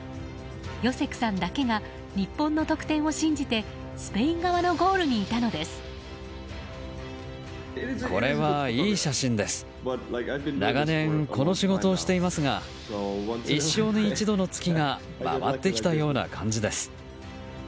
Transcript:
ヨセクさんだけが日本の得点を信じてスペイン側のゴールにいたのです。